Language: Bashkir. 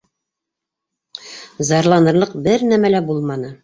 Зарланырлыҡ бер нәмә лә булманы.